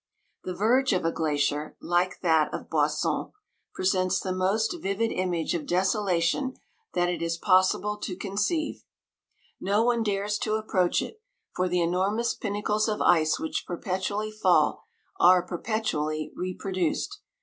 The verge of a glacier, like that of Boisson, presents the most vivid image of desolation that it is possible to con 160 ceive. No one dares to approach it; for the enormous pinnacles of ice which perpetually fall, are perpetually repro duced.